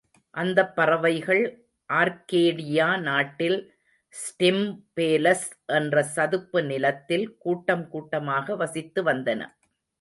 அந்தப் பறவைகள் ஆர்க்கேடியா நாட்டில் ஸ்டிம்பேலஸ் என்ற சதுப்பு நிலத்தில் கூட்டம் கூட்டமாக வசித்து வந்தன.